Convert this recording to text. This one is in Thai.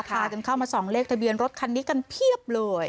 พากันเข้ามาส่องเลขทะเบียนรถคันนี้กันเพียบเลย